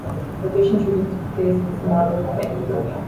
Location shooting took place in Sonora, California.